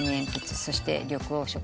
そして緑黄色社会。